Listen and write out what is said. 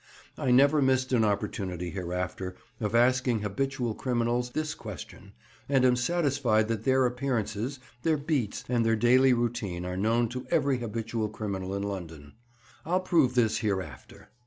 I never missed an opportunity hereafter of asking habitual criminals this question, and am satisfied that their appearances, their beats, and their daily routine are known to every habitual criminal in London. I'll prove this hereafter.